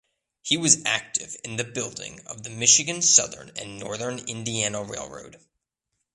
He was active in the building of the Michigan Southern and Northern Indiana Railroad.